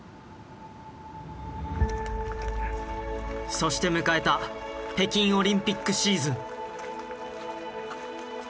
そして迎えた北京オリンピックシーズン。